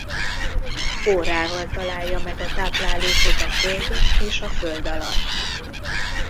Orrával találja meg a táplálékot a földön és a föld alatt.